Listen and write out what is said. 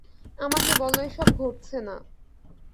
আমাকে বলো এসব ঘটছে না!